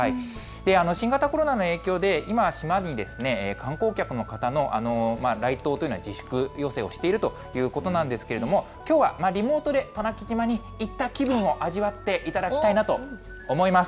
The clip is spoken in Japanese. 新型コロナの影響で、今は島では観光客の方の来島というのは自粛要請をしているということなんですけれども、きょうはリモートで、渡名喜島に行った気分を味わっていただきたいなと思います。